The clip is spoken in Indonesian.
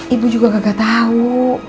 ibu juga gak tau